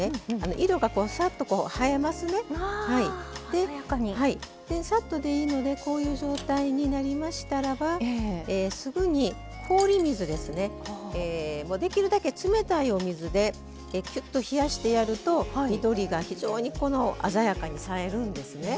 でさっとでいいのでこういう状態になりましたらばすぐに氷水ですねもうできるだけ冷たいお水できゅっと冷やしてやると緑が非常にこの鮮やかにさえるんですね。